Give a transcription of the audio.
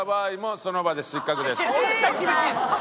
そんな厳しいんですね。